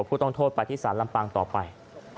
ผู้ต้องโทษปฏิสารลำปางต่อไป